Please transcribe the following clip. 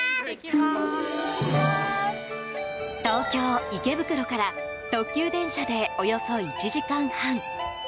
東京・池袋から特急電車でおよそ１時間半。